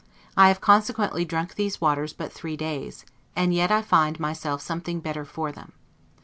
I have consequently drunk these waters but three days, and yet I find myself something better for them.